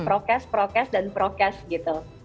prokes prokes dan prokes gitu